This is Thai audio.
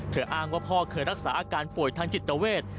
อ้างว่าพ่อเคยรักษาอาการป่วยทางจิตเวท